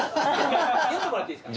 読んでもらっていいですか？